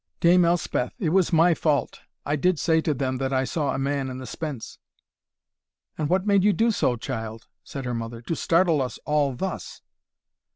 "Dame Elspeth, it was my fault I did say to them, that I saw a man in the spence." "And what made you do so, child," said her mother, "to startle us all thus?"